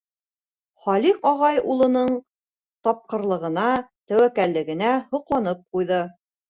Халиҡ ағай улының тапҡырлығына, тәүәккәллегенә һоҡланып ҡуйҙы.